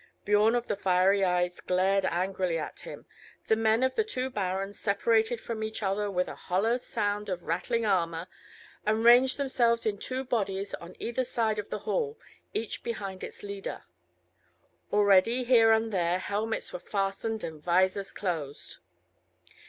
Biorn of the Fiery Eyes glared angrily at him. The men of the two barons separated from each other, with a hollow sound of rattling armour, and ranged themselves in two bodies on either side of the hall, each behind its leader. Already here and there helmets were fastened and visors closed.